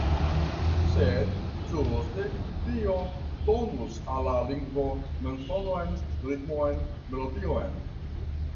Sed ĝuste tio donus al la lingvo belsonon, ritmon, melodion.